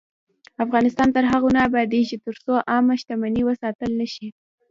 افغانستان تر هغو نه ابادیږي، ترڅو عامه شتمني وساتل نشي.